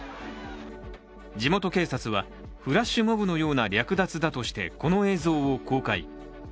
地元警察は、フラッシュモブのような略奪だとして、この映像を公開。